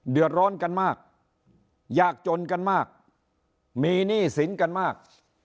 เดือดร้อนกันมากยากจนกันมากมีหนี้สินกันมาก